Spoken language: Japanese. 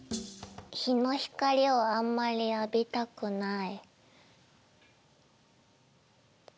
日の光をあんまり浴びたくない。